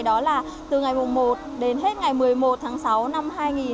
đó là từ ngày một đến hết ngày một mươi một tháng sáu năm hai nghìn một mươi bảy